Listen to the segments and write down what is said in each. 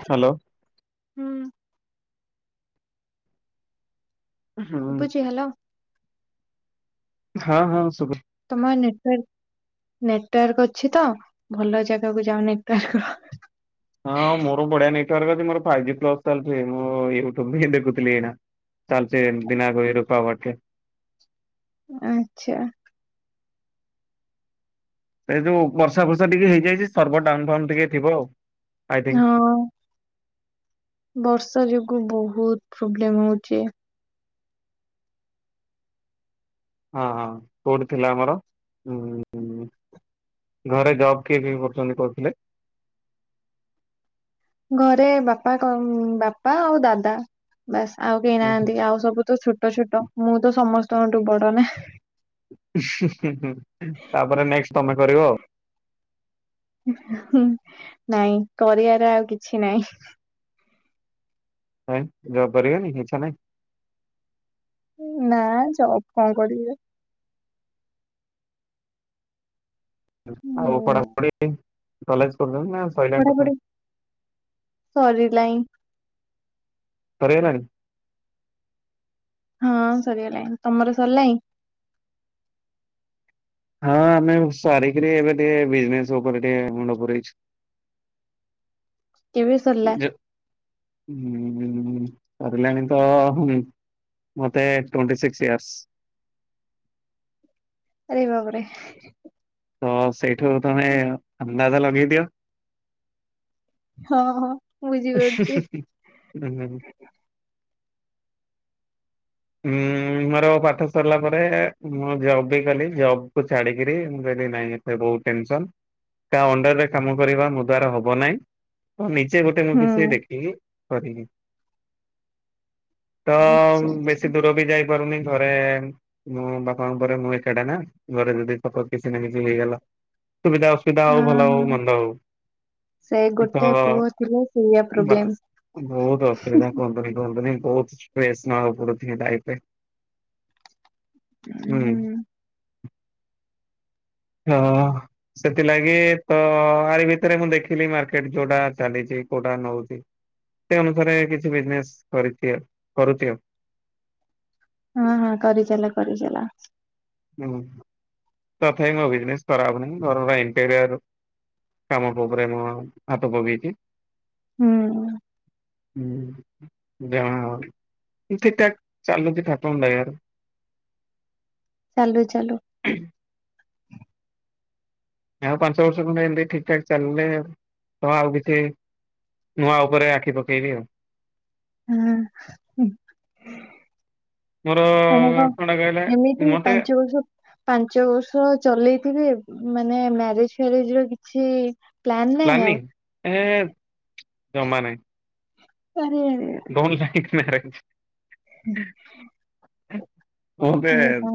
Hello. ହୁଁ। ହୁଁ ଶୁଭୁଛି ହାଲୋ। ହଁ ହଁ ଶୁଭୁ ତମର ନେଟୱର୍କ ନେଟୱାର୍କ ଅଛି ତ ଭଲ ଜାଗାକୁ ଯାଓ ନେଟୱାର୍କ ର ହଁ ମୋର ବଢିଆ ନେଟୱାର୍କ ଅଛି ମୋର ଫାଇ୍ ଜି ପ୍ଲସ ଚାଲିଛି ମୁଁ ୟୁଟ୍ୟୁବ ହିଁ ଦେଖୁଥିଲି ଏଇନା। ଚାଲଚ ବିନା କ ରୁପା ଭଟ କେ। ଆଛା। ସେଇ ଯୋଉ ବର୍ଷା ଫର୍ଷା ଟିକେ ହେଇଯାଇଛି ସର୍ବ ଡାଉନ ଫାଉ ଟିକେ ଥିବ ଆଉ ଆଇ ଥିଙ୍କ। ହଁ। ବର୍ଷା ଯୋଗୁ ବହୁତ ପ୍ରୋବ୍ଲେମ ହଉଛି। ହଁ ହଁ କୋଉଠି ଥିଲା ଆମର ଉମ୍-ମ୍-ମ୍-ମ୍ ଘରେ ଜବ୍ କିଏ କିଏ କରୁଛନ୍ତି କହୁଥିଲେ? ଘରେ ବାପା କ-ଅ-ଅ-ଅ ବାପା ଆଉ ଦାଦା। ବାସ୍ ଆଉ କେହି ନାହାନ୍ତି ଆଉ ସବୁ ତ ଛୋଟ ଛୋଟ ମୁଁ ତ ସମସ୍ତଙ୍କଠୁ ବଡ ନା। ତାପରେ ନେକ୍ସଟ ତମେ କରିବ। ହୁଁ ନାଇଁ କରିବାର ଆଉ କିଛି ନାଇଁ। କାଇ, ଜବ୍ କରିବେନି କି ଇଚ୍ଛା ନାହିଁ? ନା ଜବ୍ କଣ କରିବେ। ଆଉ ହୁଁ ପଢାପଢି କଲେଜ କରୁଛନ୍ତି ନା ସଇଲାଣି ପାଠ ପଢାପଢି ସରିଲାଇ। ସରିଗଲାଣି, ହଁ ସରିଗଲାଣି। ତମର ସରିଲାଇ? ହଁ ଆମେ ସାରିକିରି ଏବେ ଟିକେ ବିଜନେସ୍ ଉପରେ ଟିକେ ମୁଣ୍ଡ ପୁରେଇଛୁ। କେବେ ସରିଲା? ହୁଁ-ଉ-ଉ-ଉ, ସରିଲାଣି ତ-ଅ-ଅ-ଅ ହୁଁ ମତେ ଟୋଣ୍ଟି ସିକସ୍ ଇୟର୍ସ। ଆରେ ବାବରେ। ତ ସେଇଠୁ ତମେ ଅନ୍ଦାଜା ଲଗେଇ ଦିଅ। ହଁ ହଁ, ବୁଝିପାରୁଛି। ହୁଁ, ହୁଁ-ଉ-ଉ-ଉ, ମୋର ପାଠ ସରିଲା ପରେ ମୁଁ ଜବ୍ ବି କଲି ଜବ୍ କୁ ଛାଡିକରି ମୁଁ କହିଲି ନାଇଁ ସେ ବହୁ ଟେନସନ କା ଅଣ୍ଡରରେ କାମ କରିବା ମୋ ଦ୍ଵାରା ହବ ନାହିଁ। ହଁ ନିଜେ ଗୋଟେ ମୁଭିିସ ହୁଁ ଦେଖିକି କରିବି। ତ-ଅ-ଅ-ଅ ଆଚ୍ଛା ଆଚ୍ଛା ବେଶୀ ଦୂର ବି ଯାଇପାରୁନି ଥରେ-ଏ-ଏ ମୋ ବାପାଙ୍କ ପରେ ମୁଁ ଏକାଟା ନା, ଘରେ ଯଦି ସପୋଜ୍ କିଛି ନା କିଛି ହେଇଗଲା ସୁବିଧା ଅ ବିଧା ହଉ ଭଲ ହଉ ହଁ ମନ୍ଦ ହଉ, ସେ ଗୋଟେ ତ-ଅ-ଅ ପୁଅ ଥିଲେ ସେଇଆ ପ୍ରୋବ୍ଲେମ। ବାସ୍ ବହୁତ ଅସୁବିଧା। କୁହନ୍ତୁନି କୁହନ୍ତୁନି ବହୁତ ଷ୍ଟ୍ରେସ୍ ନବାକୁ ପଡୁଛି ଲାଇଫ୍ ପାଇଁ। ହୁଁ-ଉ-ଉ, ହଁ-ଅ-ଅ-ଅ, ସେଥିଲାଗି ତ-ଅ-ଅ-ଅ ଆରି ଭିତରେ ମୁଁ ଦେଖିଲି ମାର୍କେଟ ଯୋଉଟା ଚାଲିଛି କୋଉଟା ନଉଛି, ସେ ଅନୁସାରେ କିଛି ବିଜନେସ୍ କରିଚି, କରୁଚି ଆଉ। ହଁ ହଁ କରିଚାଲ କରିଚାଲ। ହୁଁ ତଥାପି ମୋ ବିଜନେସ୍ ଖରାପ ନାହିଁ ଘରର ଏନଟରିଅର କାମ ପୋପେରେମ ହାତ ପକେଇଛି। ହୁଁ, ହୁଁ, ଯା ହ ଠିକ ଠାକ ଚାଲୁଛି ଠାକୁରଙ୍କ ଦୟାରୁ। ଚାଲୁ ଚାଲୁ, ହୁଁ ଆଉ ପାଞ୍ଚ ବର୍ଷ ଖଣ୍ଡେ ଏମିତି ଠିକ ଠାକ ଚାଲିଲେ ତ ଆଉ କିଛି ନୂଆ ଉପରେ ଆଖି ପକେଇବି ଆଉ। ହଁ। ମୋର ମାନେ କଣଟା କହିଲେ କଣ ଏମିତି ମତେ ପାଞ୍ଚ ବର୍ଷ ପାଞ୍ଚ ବର୍ଷ ଚଲେଇଥିବେ ମାନେ ମ୍ୟାରେଜ ଫ୍ୟାରେଜ୍ ର କିଛି-ଇ-ଇ ପ୍ଲାନ ନାଇଁ ପ୍ଲାନିଂ ଆଉ [unintelligible] ଏ ଡୋନଟ୍ ଲାଇକ୍ ମ୍ୟାରେଜ୍। ମତେ ସେ ହ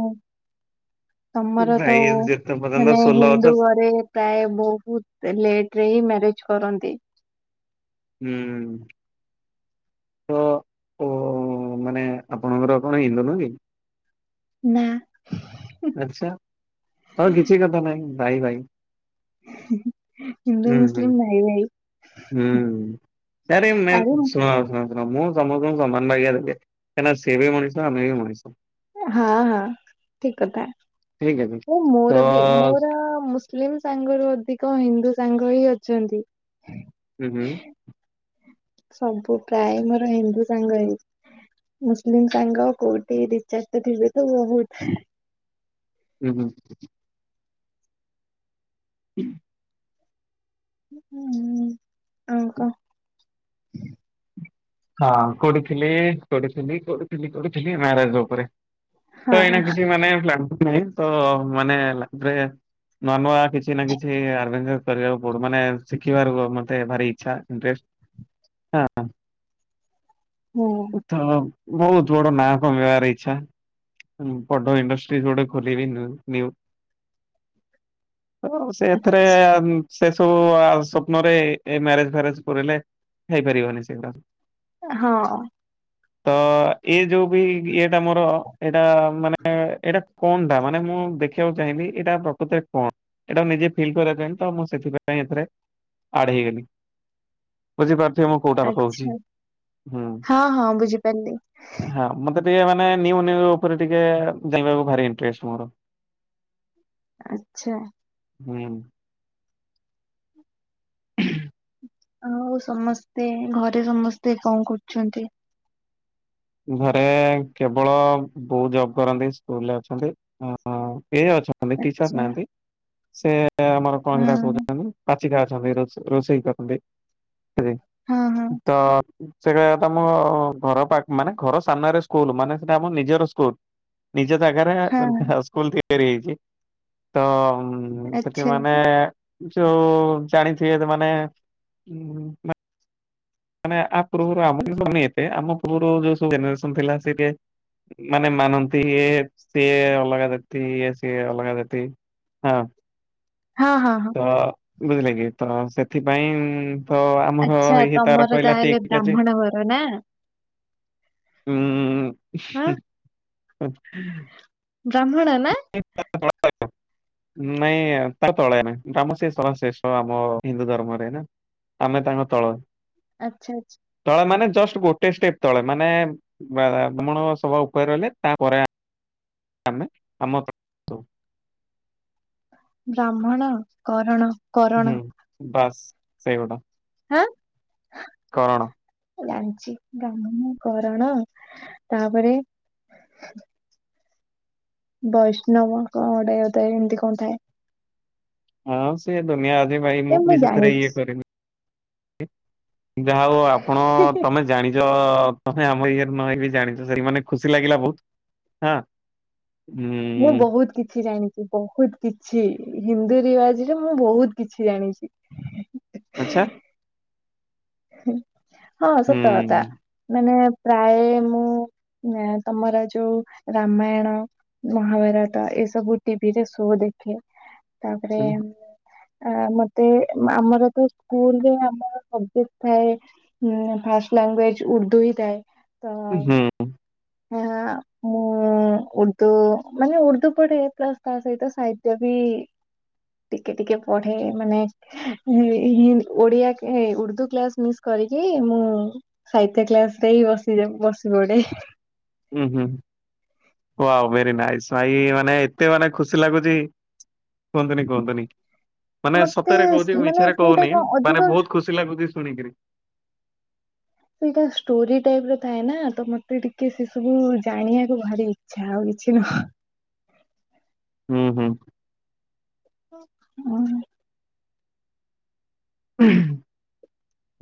ତମର ତ ଭାଇ ଯେତେ ପର୍ଯ୍ୟନ୍ତ ମାନେ ସୋଲ ଅଛ ହିନ୍ଦୁ ଘରେ ପ୍ରାୟ ବହୁତ ଲେଟ ରେ ହିଁ ମ୍ୟାରେଜ କରନ୍ତି। ହୁଁ। ତ ଓ ମାନେ ଆପଣଙ୍କର କଣ ହିନ୍ଦୁ ନୁହଁ କି? ନା। ଆଛା ହଁ କିଛି କଥା ନାଇଁ ଭାଇ ଭାଇ। ହିନ୍ଦୁ ହୁଁ ହୁଁ ମୁସଲିମ୍ ଭାଇ ଭାଇ। ହୁଁ ତାରେ ମେ ଆରେ ଶୁଣ ଶୁଣ। ପ୍ରଭୁ ସମସ୍ତଙ୍କୁ ସମାନ ବାଗିଆ ଦେଲେ କାହିଁକିନା ସେ ବି ମଣିଷ ଆମେ ବି ମଣିଷ। ହଁ ହଁ ଠିକ କଥା ଠିକ୍ ଅଛି ହ ତ ମୋର ବି ମୋର ମୁସ ମୁସଲିମ ସାଙ୍ଗରୁ ଅଧିକ ହିନ୍ଦୁ ସାଙ୍ଗ ହିଁ ଅଛନ୍ତି। ହୁଁ ହୁଁ। ସବୁ ପ୍ରାୟ ମୋର ହିନ୍ଦୁ ସାଙ୍ଗ ହେଇ ମୁସଲିମ୍ ସାଙ୍ଗ କୋଉଠି ଦି ଚାରିଟା ଥିବେତ ବହୁତ ତ ଥିବେ ତ ବହୁତ୍। ଉଁ ହୁଁ। ହୁଁ। ହୁଁ ହଉ କହ। ହଁ କଉଠିଥିଲି-କଉଠିଥିଲି-କଉଠିଥିଲି ମ୍ୟାରେଜ ଉପରେ। ତ ହଁ ଏଇନା କିଛି ମାନେ ପ୍ଲାନିଙ୍ଗ ନାହିଁ ତ ମାନେ ନୂଆ ନୂଆ କିଛି ନା କିଛି ଅର୍ଭେଞ୍ଚର କରିବାକୁ ପଡୁ ମାନେ ଶିଖିବାର ମତେ ଭାରି ଇଚ୍ଛା ଇଣ୍ଟରେଷ୍ଟ। ହଁ-ହଁ। ହଁ ତ ବହୁତ ବଡ ନାଁ କମେଇବାରେ ଇଚ୍ଛା। ବଡ଼ ଇଣ୍ଡଷ୍ଟ୍ରି ଗୋଟେ ଖୋଲିବି ନ୍ୟୁ। ତ ସେ ଏଥିରେ ସେ ସବୁ ସ୍ୱପ୍ନ ରେ ଏ ମ୍ୟାରେଜ ଫ୍ୟାରେଜ କରିଲେ ହେଇପାରିବନି ସେଗୁଡା। ହଁ। ତ ଏ ଯୋଉ ବି ଇଏଟା ମୋର ଏଇଟା ମାନେ ଏଇଟା। କଣ ଟା ମାନେ ମୁଁ ଦେଖିବାକୁ ଚାହିଁବି ଏଇଟା ପ୍ରକୃତରେ କଣ। ଏଇଟାକୁ ନିଜେ ଫିଲ୍ କରିବା ପାଇଁ ତ ମୁଁ ସେଥିପାଇଁ ଏଥିରେ ଆଡ ହେଇଗଲି। ବୁଝିପାରୁଥିବ ମୁଁ କୋଉଟା କହୁଛି। ହୁଁ ହଁ-ହଁ ବୁଝିପାରିଲି। ହଁ ମତେ ଟିକେ ମାନେ ନିଉ ନିଉ ଉପରେ ଟିକେ ଜାଣିବାକୁ ଭାରି ଇଣ୍ଟରେଷ୍ଟ ମୋର। ଆଚ୍ଛା। ହୁଁ। ଆଉ ସମସ୍ତେ ଘରେ ସମସ୍ତେ କଣ କରୁଛନ୍ତି? ଘରେ କେବଳ ବୋଉ ଜବ କରନ୍ତି ସ୍କୁଲରେ ଅଛନ୍ତି ଏ ଅଛନ୍ତି। ନାହାନ୍ତି ଟିଚର ଆଚ୍ଛା ନାହାନ୍ତି ସେ ଆମର କଣ ସେଇଟା ହଁ କହୁଛନ୍ତି ପା ପାଚିକା ଅଛନ୍ତି ରୋଷେଇ କରନ୍ତି ହଁ ହଁ ତ। ସେଟା ତମ ଘର ପା ମାନେ ଘର ସାମ୍ନାରେ ସ୍କୁଲ ମାନେ ସେଟା ଆମ ନିଜର ସ୍କୁଲ। ନିଜ ଜାଗାରେ ହଁ ସ୍କୁଲ ତିଆରି ହେଇଛି ତ। ସେଠି ଆଚ୍ଛା ମାନେ ଯୋଉ ଜାଣିଥିବେ ମାନେ ମାନେ ଆ ପୂର୍ବରୁ ଆମ ସବୁ ଏତେ ଆମ ପୂର୍ବରୁ ଯୋଉ ସବୁ ଜନେରେସନ୍ ଥିଲା ସେ ମାନେ ମାନନ୍ତି ଇଏ ସିଏ ଅଲଗା ଜାତି ଇଏ ସିଏ ଅଲଗା ଜାତି। ହଁ। ହଁ, ହଁ, ହଁ! ତ! ବୁଝିଲେ କି ତ ସେଥିପାଇଁ! ତ ଆମର ଆଚ୍ଛା ଏଇ ତାର ତମର କହିଲା। ତାହେଲେ ଠିକ କେଜି। ବ୍ରାହ୍ମଣ ଘର ନା ହଁ ହୁଁ, ଜହ୍ନରା ନା! ହଁ, ମୋତେ ଭଲ ଲାଗିଲା। ନାଇଁ ତା ତଳେ ନାହିଁ। ଆମ ସେ ସଭା ଶେଷ ଆମ ହିନ୍ଦୁ ଧର୍ମରେ ନା। ଆମେ ତାଙ୍କ ତଳ। ଆଚ୍ଛା ଆଚ୍ଛା। ତଳେ ମାନେ ଜଷ୍ଟ ଗୋଟେ ଷ୍ଟେପ ତଳେ ମାନେ ବା ବ୍ରାହ୍ମଣ ସଭା ଉପରେ ରହିଲେ ତାପରେ ଆ ଆମେ ଆମ ତ ବ୍ରାହ୍ମଣ କରଣ। କରଣ ହୁଁ ବାସ୍ ସେଇଗୋଟା। ହଁ ହା। କରଣ। ଜାଣିଛି ବ୍ରାହ୍ମଣ କାରଣ ତା ପରେ। ବୈଷ୍ଣବ କଣ ଗୋଟାଏ ଥାଏ ଏମିତି କଣ ଥାଏ। ହଁ ସିଏ ଦୁନିଆ ଅଛି ଭାଇ ଏ ମୁଁ ବି ସେଥିରେ ଇଏ ଜାଣିଛି କରିନି। ଯାହା ହଉ ଆପଣ ତମେ। ଜାଣିଛ ତମେ ଆମ ଇଏର ନ ହେଇବି ଜାଣିଛ ସେତିକି ମାନେ ଖୁସି ଲାଗିଲା ବହୁତ। ହାଁ। ମୁଁ ବହୁତ ‌। କିଛି ଜାଣିଛି ବହୁତ କିଛି ହିନ୍ଦୂ ରିବାଜ ରେ ମୁଁ ବହୁତ କିଛି ଜାଣିଛି।? ଆଛା। ହଁ, ସତ କଥା ମାନେ ପ୍ରାୟ ମୁଁ ନା ତମର ଯୋଉ ରାମାୟଣ। ମହାଭାରତ ଏସବୁ ଟିଭିରେ ସୋ ଦେଖେ। ତାପରେ ଆ ମତେ ଆମର ତ ସ୍କୁଲରେ ଆମର ସବଯେକ୍ଟ। ଥାଏ ଫାଷ୍ଟ ଲାଙ୍ଗୁଏଜ ଉର୍ଦ୍ଦୁ ହିଁ ଥାଏ ତ। ହାଁ ମୁଁ। ମୁଁ ଉର୍ଦୁ ମାନେ ଉର୍ଦ୍ଦୁ ପଢ଼େ ପ୍ଲସ ତା ସହିତ ସାହିତ୍ୟ ବି। ଟିକେ ଟିକେ ପଢେ ମାନେ ହି - ଓଡିଆ ଏ ଉର୍ଦୁ। କ୍ଲାସ ମିସ୍ କରିକି ମୁଁ ସାହିତ୍ୟ କ୍ଲାସ ରେ ହିଁ ବସିଯାଏ ବସିପଡେ। ଉଁ, ହୁଁ, ହୁଁ ୱାଓ ଭେରି ନାଇସ୍ ଭାଇ ମାନେ ଏତେ ମାନେ ଖୁସି ଲାଗୁଛି। କୁହନ୍ତୁନି କୁହନ୍ତୁନି ମାନେ ମତେ ସତରେ କହୁଛି ସ- ମାନେ ମିଛରେ ସେଇଟା କହୁନି କଣ ଅଧିକ ମାନେ ବହୁତ ଖୁସି। ଖୁସି ଲାଗୁଛି ଶୁଣିକିରି। ସେଇଟା ଷ୍ଟୋରି ଟାଇପ ର ଥାଏ ନା ତ ମତେ ଟିକେ ସେ ସବୁ ଜାଣିବାକୁ ଭାରି ଇଚ୍ଛା ଆଉ କିଛି ନୁହଁ। ହୁଁ, ହୁଁ। ହୁଁ,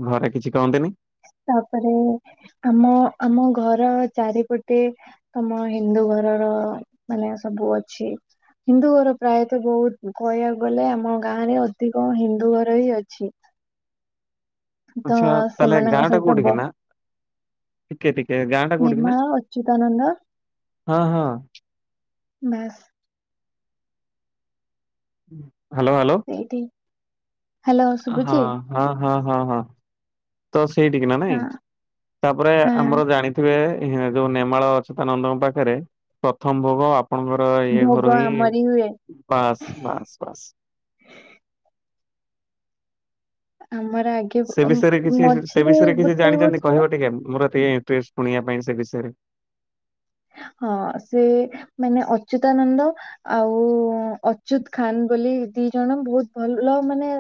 ଘରେ କିଛି କହନ୍ତିନି। ତାପରେ ଆମ, ଆମ ଘର ଚାରିପଟେ। ତମ ହିନ୍ଦୁ ଘରର ମାନେ ସବୁ ଅଛି। ହିନ୍ଦୁ ଘର ପ୍ରାୟତ ବହୁତ କହିବାକୁ ଗଲେ ଆମ ଗାଁ ରେ ଅଧିକ ହିନ୍ଦୁ ଘର ହିଁ ଅଛି। ତ ଆଚ୍ଛା ତାହେଲେ ଗାଁ ସେମାନଙ୍କ ଟା ସହିତ କୋଉଠି କି ବ ନା ଟିକେ ଟିକେ ଗାଁ ଟା କୋଉଠି କି ନା ନେମାଳ ଅଚ୍ୟୁତା ନନ୍ଦ। ହଁ ହଁ। ବାସ୍। Hello hello. ସେଇଠି। ହ୍ୟାଲୋ ଆ ହଁ, ଶୁଭୁଛି ହଁ, ହଁ, ହଁ, ହଁ। ତ ସେଇଠି କିନା ନାଇଁ ହଁ ତାପରେ ହଁ ଆମର ଜାଣି। ଥିବେ‌ ହେଁ ଯୋଉ ନେମାଳ ଅଚୁତା ନନ୍ଦଙ୍କ ପାଖରେ ପ୍ରଥମ ଭୋଗ ଅପ ଆପଣଙ୍କର ଇଏ ଭୋଗ ଘରୁ ହିଁ ଆମରି ହୁଏ। ବାସ୍ ବାସ୍ ବାସ୍। ଆମର ଆଗେ ସେ ବିଷୟରେ କିଛି ସେ ମଝିରେ ବିଷୟରେ କିଛି ଗୋଟେ ଜାଣିଛନ୍ତି ବର୍ଷ କହିବ ଟିକେ ମୋର ଟିକେ ଇଣ୍ଟରେଷ୍ଟ ଶୁଣିବା ପାଇଁ ସେ ବିଷୟରେ। ହଁ ସେ ମାନେ ଅଚ୍ୟୁତାନନ୍ଦ। ଆଉ ଅଚ୍ୟୁତ ଖାନ୍ ବୋଲି ଦି ଜଣ ବହୁତ ଭଲ ମାନେ।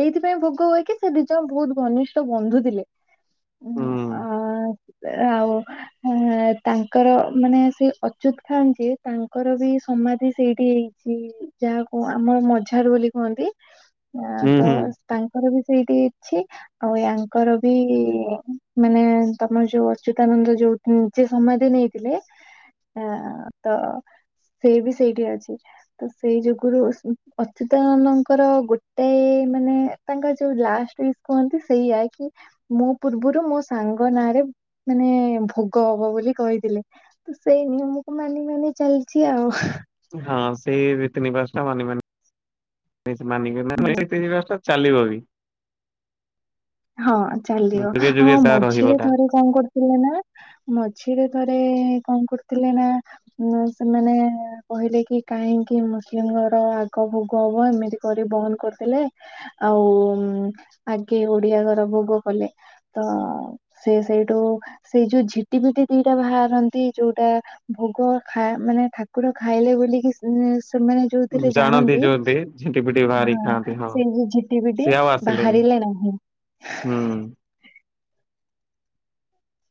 ଏଇଥିପାଇଁ ଭୋକ ହୁଏ କି ସେ ଦିଜଣ ବହୁତ ଘନିଷ୍ଠ ବନ୍ଧୁ ଥିଲେ। ହ, ହୁଁ ଆ, ଆଉ ତାଙ୍କ ତାଙ୍କର ମାନେ ସେ ଅଚ୍ୟୁତ ଖାନ୍ ଯିଏ ଯେ ତାଙ୍କର ବି ସମାଧି ସେଇଠି ସେ ଯାହାକୁ ଆମ ମଝାରୁ ବୋଲି କୁହନ୍ତି। ଆ ହୁଁ ତ ହୁଁ ତାଙ୍କର ବି ସେଇଠି ଅଛି। ଆଉ ୟାଙ୍କର ବି ମାନେ ତମେ ଯୋଉ ଅଚ୍ୟୁତାନନ୍ଦ ଯୋଉ ନିଜେ ସମାଧି ନେଇଚି। ଥିଲେ, ତ ସେଇ ବି ସେଇଠି ଅଛି। ତ ସେଇ ଯୋଗରୁ ଅଚ୍ୟୁତାନନ୍ଦଙ୍କର ଗୋଟାଏ ମାନେ ତାଙ୍କ ଯୋଉ ଲାଷ୍ଟ ଉଇକ କୁହନ୍ତି। ସେଇୟଆ କି ମୋ ପୂର୍ବରୁ ମୋ ସାଙ୍ଗ ନାଁରେ ମାନେ ଭୋଗ ହବ ବୋଲି କହିଥିଲେ। ତ ସେଇ ନିୟମକୁ ମାନି ମାନି ଚାଲିଛି ଆଉ। ହଁ ସେ ତିନି ବାସ ଟା ମାନି ମାନି ହୁଁ, ତିନିଟା ଚାଲିବ ବି ହଁ ହୁଁ, ଚାଲିବ ଯୁଗେ ହଁ ଯୁଗେ ତା ରହିବ ମଝିରେ ତା ଥରେ କଣ କରୁଥିଲେ ନା ମଝିରେ ଥରେ କଣ କରୁଥିଲେ ନା ସେମାନେ କହିଲେ କି କାହିଁକି ମୁସଲିମର ଆଗ ଭୋଗ ହବ ଏମିତି କରି ବନ୍ଦ କରିଦେଲେ ଆଉ ଆଗେ ଓଡିଆ ଘର ଭୋଗ କଲେ। ତ ସେ ସେଇଠୁ ସେଇ ଯୋଉ ଝିଟି ପିଟି ଦିଟା ବାହାରନ୍ତି ଯୋଉଟା ଭୋଗ ଖା ମାନେ ଠାକୁର ଖାଇଲେ ବୋଲିକି ସେ ମାନେ ଯଉଥିରେ ଜାଣନ୍ତି ଯୋଉତି ଝିଣ୍ଟି ପିଟି ବାହାରି ହଁ ଖାଆନ୍ତି ସେଇ ଯଉ ଝିଟି ପିଟି ସିଏ ଆଉ ଆସିଲେନି ବାହାରିଲେ ନାହିଁ। ହୁଁ।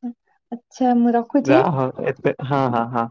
ହଁ ଯାହା ହଉ ଏତେ ହଁ ହଁ ହଁ।